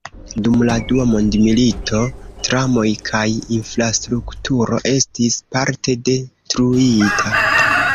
Dum la Dua Mondmilito, tramoj kaj infrastrukturo estis parte detruita.